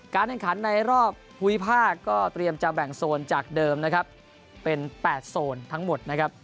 แห่งขันในรอบภูมิภาคก็เตรียมจะแบ่งโซนจากเดิมนะครับเป็น๘โซนทั้งหมดนะครับ